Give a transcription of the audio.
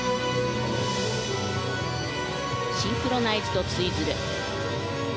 シンクロナイズドツイズル。